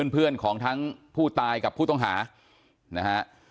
เพื่อนของทั้งผู้ตายกับผู้ต้องหานะฮะ